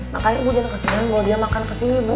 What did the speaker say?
makanya ibu jangan kesian kalau dia makan ke sini ibu